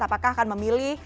apakah akan memilih